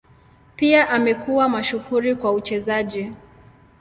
Pia amekuwa mashuhuri kwa uchezaji.